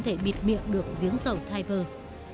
mặt biển bị dầu loang rộng tới chín tê số vuông